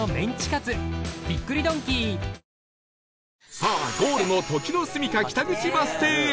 さあゴールの時之栖北口バス停へ